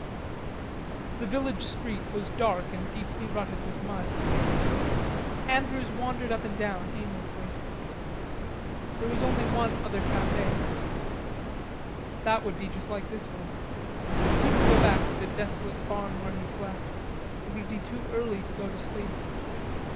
The village street was dark and deeply rutted with mud. Andrews wandered up and down aimlessly. There was only one other cafe. That would be just like this one. He couldn't go back to the desolate barn where he slept. It would be too early to go to sleep.